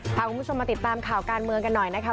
พาคุณผู้ชมมาติดตามข่าวการเมืองกันหน่อยนะคะ